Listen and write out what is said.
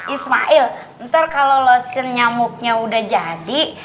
ismail ntar kalau loskin nyamuknya udah jadi